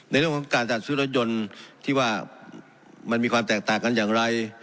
ในเรื่องของการจัดซื้อรถยนต์ที่ว่ามันมีความแตกต่างกันอย่างไร